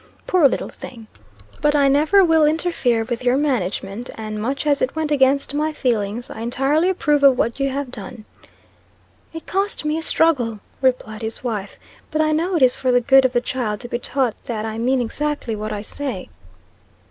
Poor little thing! But I never will interfere with your management; and much as it went against my feelings, I entirely approve of what you have done.' 'It cost me a struggle,' replied his wife; 'but I know it is for the good of the child to be taught that I mean exactly what I say.'